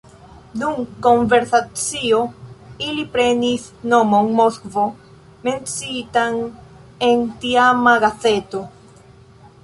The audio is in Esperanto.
Dum konversacio ili prenis nomon Moskvo, menciitan en tiama gazeto.